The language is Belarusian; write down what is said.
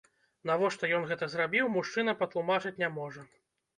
Навошта ён гэта зрабіў, мужчына патлумачыць не можа.